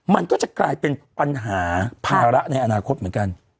มันก็จะกลายเป็นปัญหาภาระในอนาคตเหมือนกัน